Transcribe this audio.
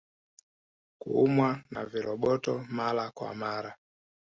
Kuumwa na viroboto Mara kwa mara